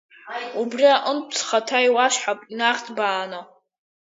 Убри аҟынтә схаҭа иуасҳәап инарҭбааны…